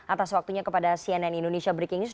atas waktunya kepada cnn indonesia breaking news